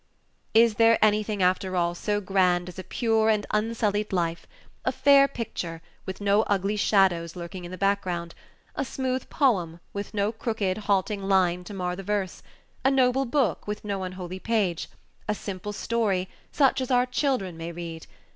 Is there anything, after all, so grand as a pure and unsullied life a fair picture, with no ugly shadows lurking in the background a smooth poem, with no crooked, halting line to mar the verse a noble book, with no unholy page a simple story, such as our children may read?